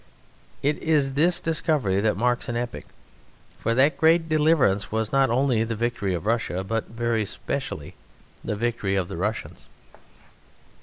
It is this discovery that marks an epoch; for that great deliverance was not only the victory of Russia, but very specially the victory of the Russians.